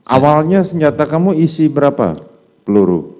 awalnya senjata kamu isi berapa peluru